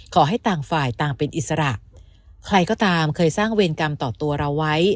ขอให้ต่างฝ่ายต่างเป็นอิสระใครก็ตามเคยสร้างเวรกรรมต่อตัวเราไว้